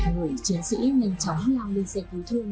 người chiến sĩ nhanh chóng lao lên xe cứu thương